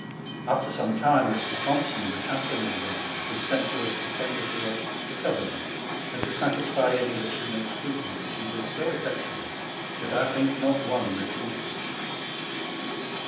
After some time, Mr. Thompson, the diaplaine of the regiment, was sent to us, to tender to us the Cove nant,' and to satisfie any that should make scruple, which he did so effectually, that I think not one refuseil it.